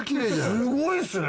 すごいですね！